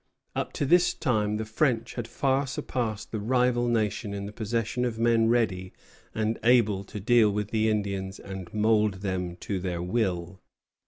Up to this time the French had far surpassed the rival nation in the possession of men ready and able to deal with the Indians and mould them to their will.